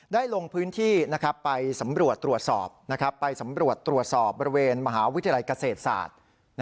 ลงพื้นที่ไปสำรวจตรวจสอบไปสำรวจตรวจสอบบริเวณมหาวิทยาลัยเกษตรศาสตร์